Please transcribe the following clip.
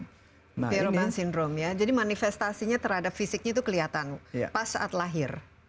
barome syndrome ya jadi manifestasinya terhadap fisiknya itu kelihatan pas saat lahir